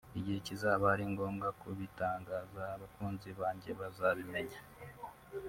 igihe kizaba ari ngombwa kubitangaza abakunzi banjye bazabimenya